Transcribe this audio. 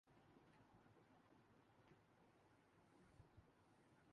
پاکستانی شہریوں کے لیے کویتی ویزے کی بحالی پر بڑی پیش رفت ہوئی ہےا